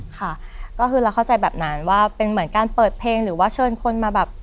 ค่ะก็คือเราเข้าใจแบบนั้นว่าเป็นเหมือนการเปิดเพลงหรือว่าเชิญคนมาแบบ